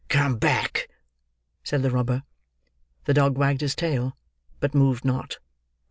"Come back!" said the robber. The dog wagged his tail, but moved not.